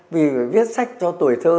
vì viết sách cho tuổi thơ